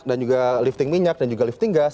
dan juga lifting minyak dan juga lifting gas